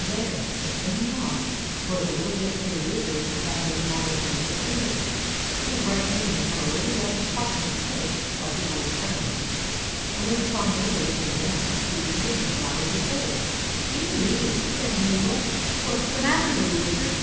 There, down in the moss, was a little bit of a lizard about as long as Mabel's finger. It was bright green, and had a little yellow spot on its head like a gold crown; and when it saw Mabel looking down, it squeaked again as loud as it could. THE GREEN LIZARD 5 " Dear me !" said Mabel. " What 's the matter, little lizard